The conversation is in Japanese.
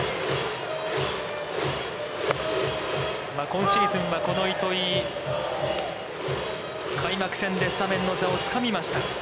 今シーズンはこの糸井、開幕戦でスタメンの座をつかみました。